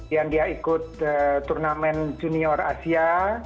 dan dia ikut turnamen junior asia